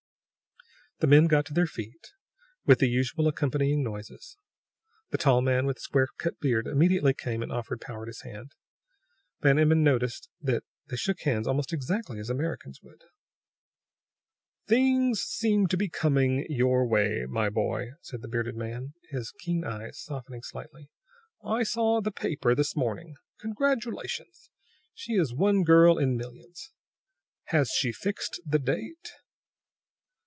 The men got to their feet with the usual accompanying noises. The tall man with the square cut beard immediately came and offered Powart his hand. Van Emmon noticed that they shook hands almost exactly as Americans would. "Things seem to be coming your way, my boy," said the bearded man, his keen eyes softening slightly. "I saw the paper this morning. Congratulations! She is one girl in millions. Has she fixed the date?"